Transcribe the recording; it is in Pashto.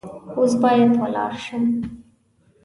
اوس باید ولاړ شم .